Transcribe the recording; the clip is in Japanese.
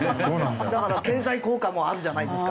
だから経済効果もあるじゃないですか。